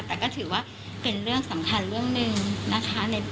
แต่ก็ถือว่าเป็นเรื่องสำคัญเรื่องหนึ่งนะคะ